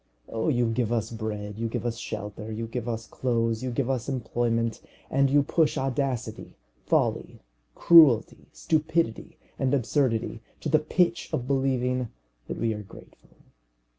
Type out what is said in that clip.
Oh, you give us bread, you give us shelter, you give us clothes, you give us employment, and you push audacity, folly, cruelty, stupidity, and absurdity to the pitch of believing that we are grateful!